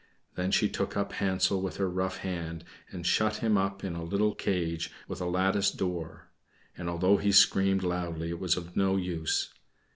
Then she took up Hansel with her rough hand, and shut him up in a little cage with a lattice door; and although he screamed loudly it was of no use.